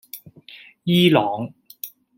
伊朗